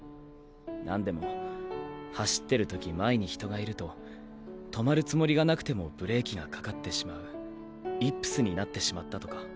何でも走ってる時前に人がいると止まるつもりがなくてもブレーキがかかってしまうイップスになってしまったとか。